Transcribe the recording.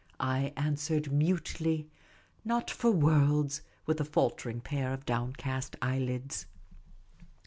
I answered, mutely, "Not for worlds," with a faltering pair of downcast eyelids.